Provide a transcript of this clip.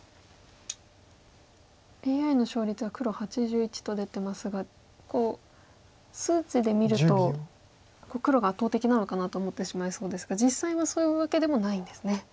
ＡＩの勝率が黒８１と出てますがこう数値で見ると黒が圧倒的なのかなと思ってしまいそうですが実際はそういうわけでもないんですね。